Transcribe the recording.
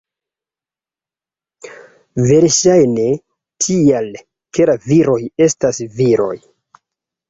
Verŝajne tial, ke la viroj estas viroj.